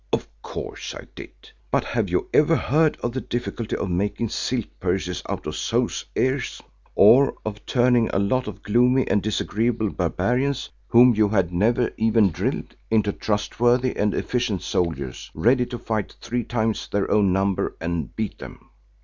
Of course I did. But have you ever heard of the difficulty of making silk purses out of sows' ears, or of turning a lot of gloomy and disagreeable barbarians whom you had never even drilled, into trustworthy and efficient soldiers ready to fight three times their own number and beat them?